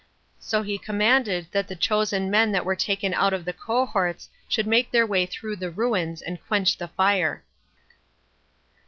So he commanded that the chosen men that were taken out of the cohorts should make their way through the ruins, and quench the fire.